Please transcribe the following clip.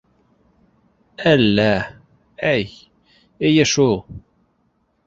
Әллә... әй... эйе шул!